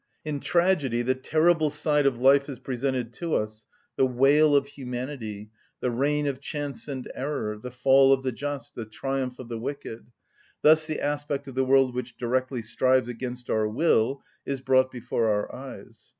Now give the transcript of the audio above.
In tragedy the terrible side of life is presented to us, the wail of humanity, the reign of chance and error, the fall of the just, the triumph of the wicked; thus the aspect of the world which directly strives against our will is brought before our eyes.